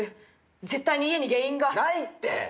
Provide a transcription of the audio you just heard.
絶対に家に原因がないって！